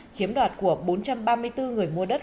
chiếm đoạt của bốn trăm ba mươi bốn người mua đất